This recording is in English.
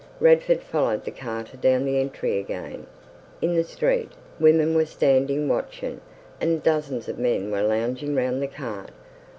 Radford followed the carter down the entry again. In the street, women were standing watching, and dozens of men were lounging round the cart.